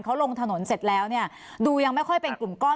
เขาลงถนนเสร็จแล้วเนี่ยดูยังไม่ค่อยเป็นกลุ่มก้อน